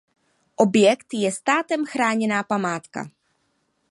Objekt je státem chráněná památka.